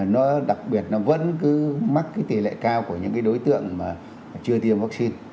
nó đặc biệt nó vẫn cứ mắc cái tỷ lệ cao của những cái đối tượng mà chưa tiêm vaccine